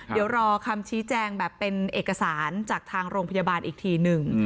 เดี๋ยวรอคำชี้แจงแบบเป็นเอกสารจากทางโรงพยาบาลอีกทีหนึ่ง